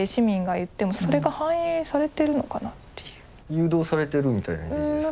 誘導されてるみたいなイメージですか？